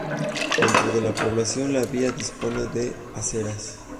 Dentro de la población, la vía dispone de aceras.